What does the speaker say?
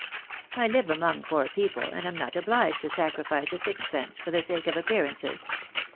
I live among poor people, and am not obliged to sacrifice a sixpence for the sake of appearances.